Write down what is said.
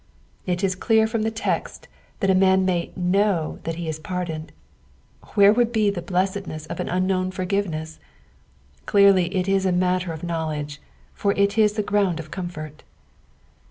It is clear from the text that a man ma; huna that he liia pardoned : where would be the blessed ness of an unknoifn forgiveness ! Clearly it is a matter of knowledge, for it is the ground of comfort.